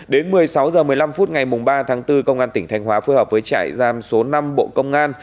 đến một mươi sáu h một mươi năm phút ngày ba tháng bốn công an tỉnh thanh hóa phối hợp với trại giam số năm bộ công an